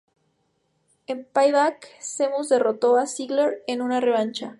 En Payback, Sheamus derrotó a Ziggler en una revancha.